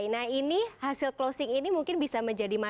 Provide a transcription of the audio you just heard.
nah ini hasil closing ini mungkin bisa menjadi masalah